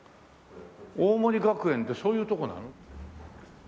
大森学園ってそういうとこなの？